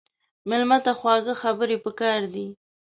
مېلمه ته خواږه خبرې پکار دي.